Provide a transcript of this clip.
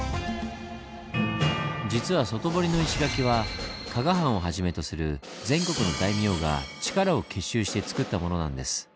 実は外堀の石垣は加賀藩をはじめとする全国の大名が力を結集してつくったものなんです。